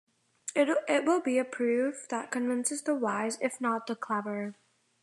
It will be a proof that convinces the wise if not the clever.